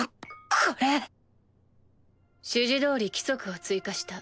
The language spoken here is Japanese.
これ。指示どおり規則を追加した。